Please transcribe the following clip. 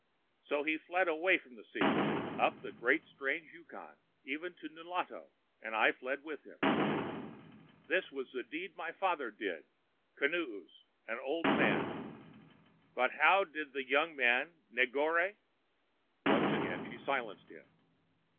So he fled away from the sea, up the great, strange Yukon, even to Nulato, and I fled with him. "This was the deed my father did, Kinoos, an old man. But how did the young man, Negore?" Once again she silenced him.